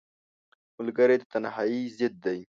ملګری د تنهایۍ ضد دی